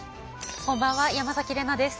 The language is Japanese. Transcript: こんばんは山崎怜奈です。